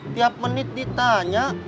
tiap menit ditanya